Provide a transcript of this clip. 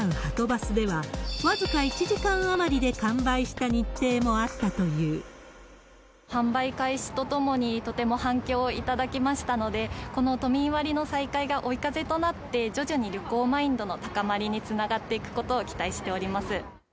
バスでは、僅か１時間余りで完売した販売開始とともに、とても反響を頂きましたので、この都民割の再開が追い風となって、徐々に旅行マインドの高まりにつながっていくことを期待しております。